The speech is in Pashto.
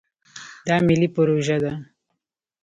دا ملي پروژه ده.